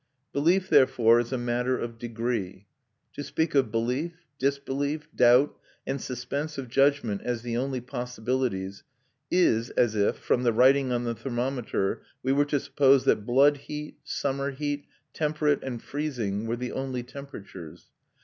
Belief, therefore, is a matter of degree. To speak of belief, disbelief, doubt, and suspense of judgment as the only possibilities is as if, from the writing on the thermometer, we were to suppose that blood heat, summer heat, temperate, and freezing were the only temperatures."